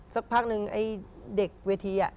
สักพักนึงไอ้เด็กเวที